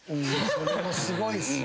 それもすごいっすね。